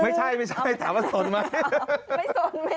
ไม่ใช่ถามว่าสนไหม